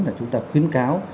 mà chúng ta khuyến cáo